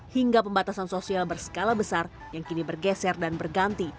hingga pembatasan sosial berskala besar yang kini bergeser dan berganti